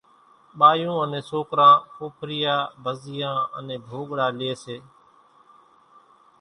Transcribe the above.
ٻايُون انين سوڪران ڦوڦريا، ڀزيئان انين ڀوڳڙا ليئيَ سي۔